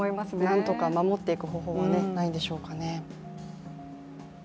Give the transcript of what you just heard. なんとか守っていく方法はないんでしょうか。